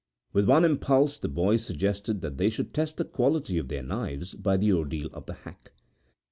With one impulse the boys suggested that they should test the quality of their knives by the ordeal of the Hack.